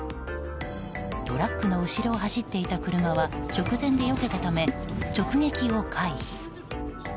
トラックの後ろを走っていた車は直前でよけたため、直撃を回避。